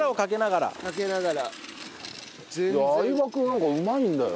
相葉君なんかうまいんだよ。